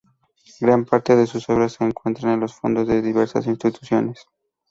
Gran parte de sus obras se encuentran en los fondos de diversas instituciones.